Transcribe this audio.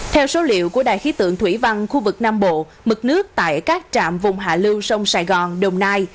theo số liệu của đài khí tượng thủy văn khu vực nam bộ mực nước tại các trạm vùng hạ lưu sông sài gòn đồng nai